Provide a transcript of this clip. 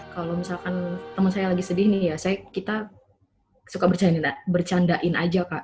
kalau misalkan teman saya lagi sedih nih ya kita suka bercandain aja kak